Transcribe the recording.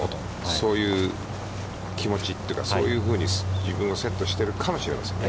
そういう気持ちというかそういうふうに自分をセットしているかもしれませんね。